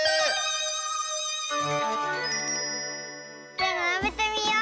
じゃならべてみよう。